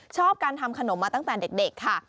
ชอบการทำขนมมาตั้งแต่เด็กค่ะ